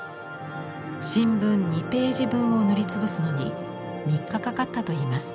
新聞２ページ分を塗り潰すのに３日かかったといいます。